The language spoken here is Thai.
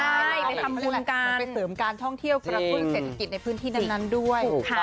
ใช่ไปทำบุญกันไปเสริมการท่องเที่ยวกระตุ้นเศรษฐกิจในพื้นที่นั้นด้วย